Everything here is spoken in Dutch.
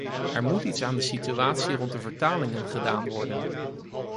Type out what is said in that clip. Er moet iets aan de situatie rond de vertalingen gedaan worden!